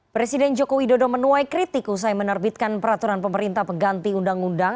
presiden joko widodo menuai kritik usai menerbitkan peraturan pemerintah pengganti undang undang